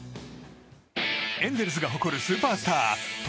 エンゼルスが誇るスーパースタート